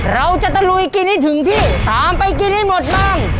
เราจะตะลุยกินให้ถึงที่ตามไปกินให้หมดมัง